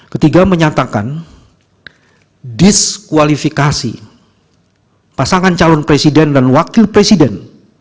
ketiga menyatakan diskualifikasi pasangan calon presiden dan wakil presiden